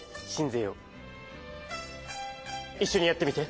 いっしょにやってみて。